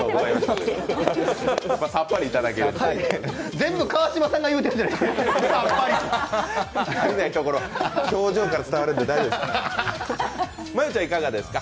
全部、川島さんが言うてるじゃないですか。